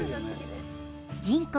人口